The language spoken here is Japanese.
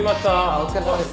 お疲れさまです。